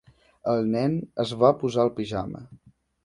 El nen es va posar el pijama.